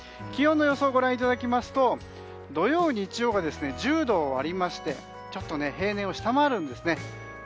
気温の予想をご覧いただきますと土曜、日曜が１０度を割りましてちょっと平年を下回るんですね。